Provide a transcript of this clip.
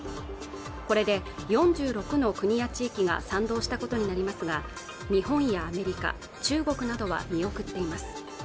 これで４６の国や地域が賛同したことになりますが日本やアメリカ中国などは見送っています